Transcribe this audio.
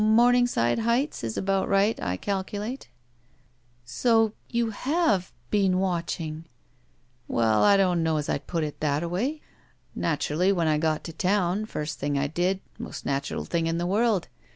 Morning side Heights is about right, I calculate." "So — ^you have — ^been watching." "Well, I don't know as I'd put it thataway. Naturally, when I got to town — ^first thing I did — most natural thing in the world.